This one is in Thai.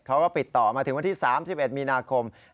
เขาก็ติดต่อมาถึงวันที่๓๑มีนาคม